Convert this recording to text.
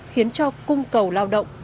khiến cho cung cầu lao động